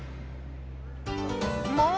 もう！